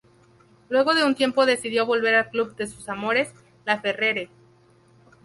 Luego de un tiempo decidió volver al club de sus amores, Laferrere.